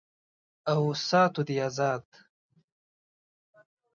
او ساتو دې آزاد